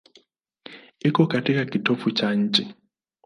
Iko katika kitovu cha nchi.